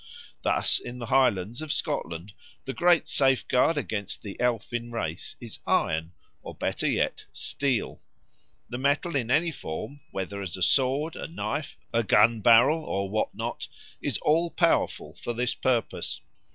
Thus in the Highlands of Scotland the great safeguard against the elfin race is iron, or, better yet, steel. The metal in any form, whether as a sword, a knife, a gun barrel, or what not, is all powerful for this purpose.